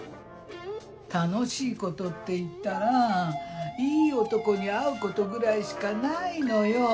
楽しいことっていったらいい男に会うことぐらいしかないのよ。